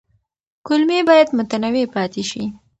کولمې باید متنوع پاتې شي.